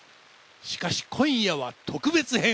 しかし今夜は特別編。